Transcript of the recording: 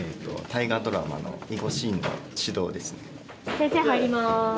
先生入ります！